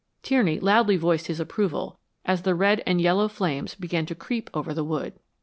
Tierney loudly voiced his approval as the red and yellow flames began to creep over the wood.